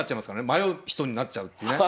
迷う人になっちゃうっていうね。